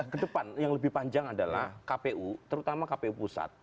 kedepan yang lebih panjang adalah kpu terutama kpu pusat